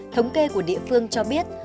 thống kê của địa phương cho biết